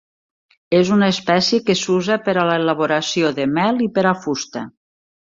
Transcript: És una espècie que s'usa per a l'elaboració de mel i per a fusta.